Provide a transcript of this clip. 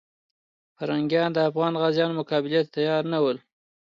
پرنګیان د افغان غازیو مقابلې ته تیار نه ول.